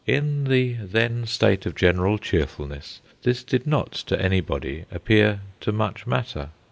In the then state of general cheerfulness, this did not to anybody appear to much matter.